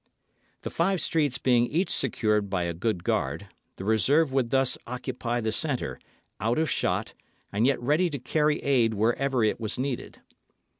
The five streets being each secured by a good guard, the reserve would thus occupy the centre, out of shot, and yet ready to carry aid wherever it was needed.